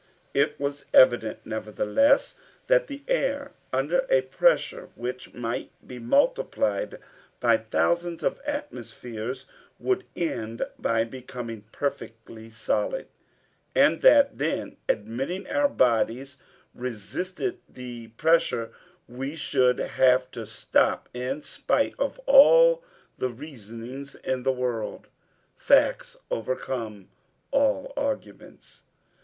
It was evident, nevertheless, that the air under a pressure which might be multiplied by thousands of atmospheres, would end by becoming perfectly solid, and that then admitting our bodies resisted the pressure, we should have to stop, in spite of all the reasonings in the world. Facts overcome all arguments.